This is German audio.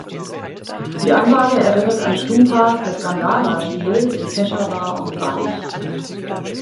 Die Anlage erinnert an Stupas des Gandhara-Stils in Peschawar und Balch.